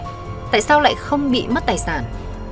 nạn nhân bị mất tài sản